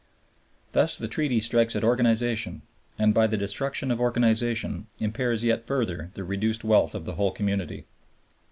Thus the Treaty strikes at organization, and by the destruction of organization impairs yet further the reduced wealth of the whole community.